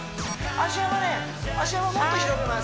足幅もっと広げます